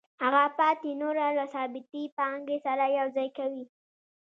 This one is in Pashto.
هغه پاتې نوره له ثابتې پانګې سره یوځای کوي